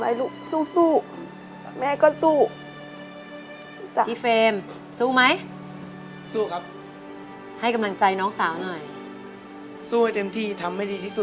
อย่างที่เราคุยกันไว้ลูกสู้แม่ก็สู้